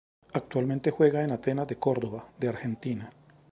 Actualmente juega en Atenas de Córdoba de Argentina.